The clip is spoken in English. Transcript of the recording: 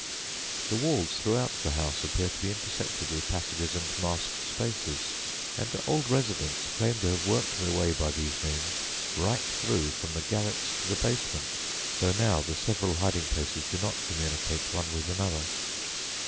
The walls throughout the house appear to be intersected with passages and masked spaces, and old residents claim to have worked their way by these means right through from the garrets to the basement, though now the several hiding places do not communicate one with another.